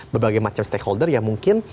berbagai macam stakeholder yang mungkin